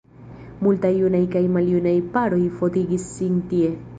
Multaj junaj kaj maljunaj paroj fotigis sin tie.